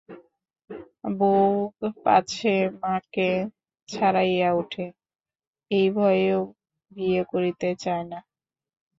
বউ পাছে মাকে ছাড়াইয়া উঠে, এই ভয়ে ও বিয়ে করিতে চায় না।